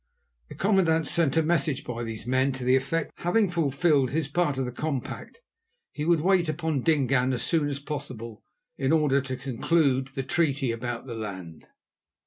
The commandant sent a message by these men to the effect that, having fulfilled his part of the compact, he would wait upon Dingaan as soon as possible in order to conclude the treaty about the land.